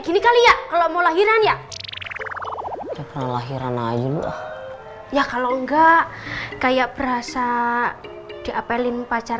gini kali ya kalau mau lahiran ya kelahiran ayu ya kalau enggak kayak berasa diapelin pacar